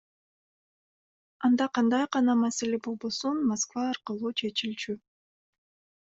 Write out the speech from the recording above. Анда кандай гана маселе болбосун Москва аркылуу чечилчү.